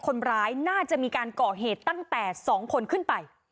คนร้ายน่าจะมีการก่อเหตุตั้งแต่๒คนขึ้นไป